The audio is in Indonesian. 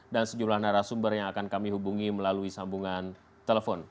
dan sejumlah narasumber yang akan kami hubungi melalui sambungan telepon